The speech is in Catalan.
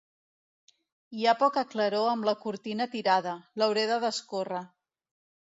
Hi ha poca claror amb la cortina tirada: l'hauré de descórrer.